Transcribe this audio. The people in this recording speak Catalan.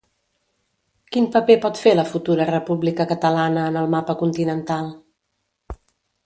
Quin paper pot fer la futura república catalana en el mapa continental?